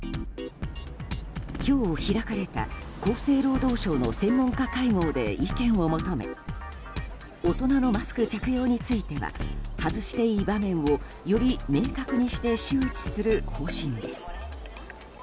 今日開かれた厚生労働省の専門家会合で意見を求め大人のマスク着用については外していい場面をより明確にして周知する方針です。